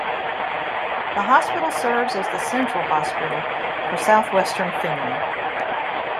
The hospital serves as the central hospital for southwestern Finland.